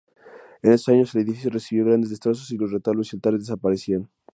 En estos años el edificio recibió grandes destrozos y los retablos y altares desaparecieron.